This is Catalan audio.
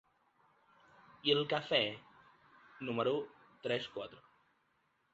«Il Caffé» Número tres-quatre.